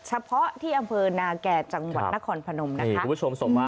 เฉพาะที่อำเภอนาแก่จังหวัดนครพนมนะคะ